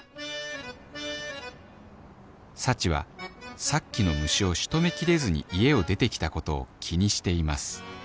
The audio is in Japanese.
幸はさっきの虫を仕留めきれずに家を出てきたことを気にしています